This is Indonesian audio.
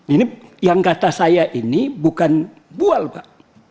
ini yang kata saya ini bukan bual pak